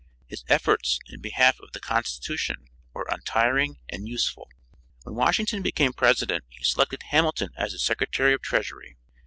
His efforts in behalf of the constitution were untiring and useful. When Washington became president he selected Hamilton as his Secretary of Treasury.